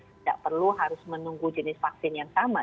tidak perlu harus menunggu jenis vaksin yang sama